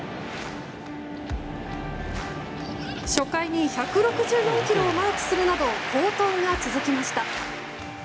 初回に１６４キロをマークするなど好投が続きました。